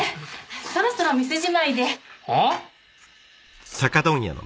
そろそろ店じまいではぁ？